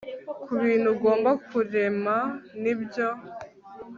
kubintu ugomba kurema nibyo